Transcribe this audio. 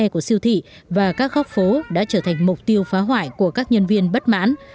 của siêu thị và các góc phố đã trở thành mục tiêu phá hoại của các nhân viên bất mãn